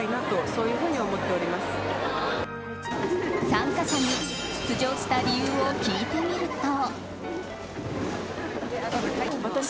参加者に出場した理由を聞いてみると。